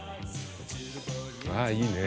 ああいいね。